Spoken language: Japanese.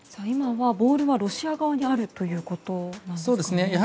今はボールはロシア側にあるということですか。